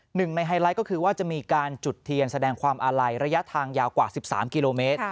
หนึ่งในไฮไลท์ก็คือว่าจะมีการจุดเทียนแสดงความอาลัยระยะทางยาวกว่า๑๓กิโลเมตร